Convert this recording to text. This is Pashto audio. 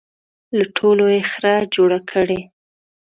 له ټولو یې خره جوړ کړي.